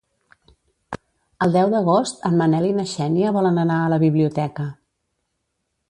El deu d'agost en Manel i na Xènia volen anar a la biblioteca.